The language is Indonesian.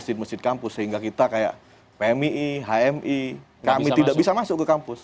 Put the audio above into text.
jadi kami mesin mesin kampus sehingga kita kayak pmi hmi kami tidak bisa masuk ke kampus